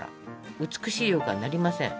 美しいようかんになりません。